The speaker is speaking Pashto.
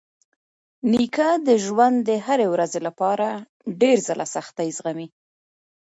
نیکه د ژوند د هرې ورځې لپاره ډېر ځله سختۍ زغمي.